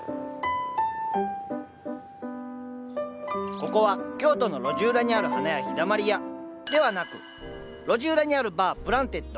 ここは京都の路地裏にある花屋「陽だまり屋」ではなく路地裏にあるバー「プランテッド」。